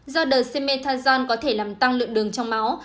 do dexamethasone có thể làm tăng lượng đường trong máu